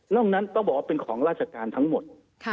นั้นต้องบอกว่าเป็นของราชการทั้งหมด